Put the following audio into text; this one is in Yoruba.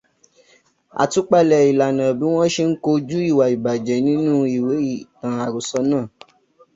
Àtúpalẹ̀ ìlànà bí wọ́n ṣe kojú ìwà ìbàjẹ́ nínú ìwé ìtàn àròsọ náà.